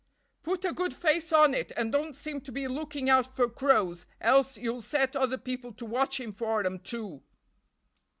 "Put a good face on it and don't seem to be looking out for crows, else you'll set other people to watchin' for 'em, too."